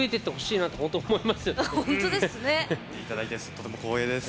とても光栄です。